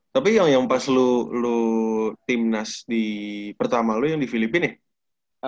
tapi yang pas lu timnas di pertama lu yang di filipina ya